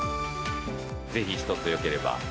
ぜひ１つよければ。